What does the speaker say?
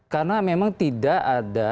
karena memang tidak ada